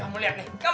ya allah ya gusti kang